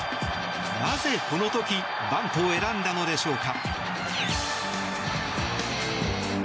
なぜ、この時バントを選んだのでしょうか。